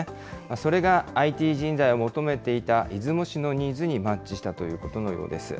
それがＩＴ人材を求めていた出雲市のニーズにマッチしたということのようです。